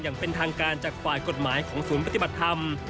อย่างเป็นทางการจากฝ่ายกฎหมายของศูนย์ปฏิบัติธรรม